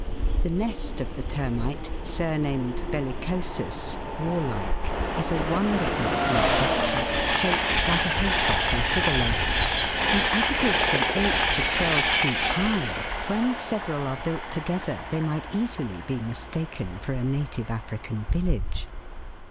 The nest of the termite, surnamed bdlicosus ("warlike,") is a wonderful construction, shaped like a hay cock or sugar loaf, and as it is from eight to twelve feet high, when several are built Fig. 39. LA together they might easily be mistaken for BOURERTEK a na ti v e African village.